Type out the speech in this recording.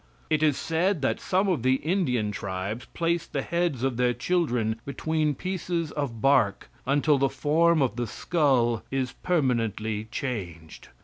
It is said that some of the Indian tribes place the heads of their children between pieces of bark until the form of the skull is permanently changed.